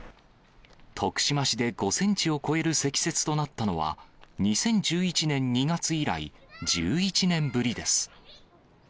徳島市で５センチを超える積雪となったのは、２０１１年２月以来、１１年ぶりです。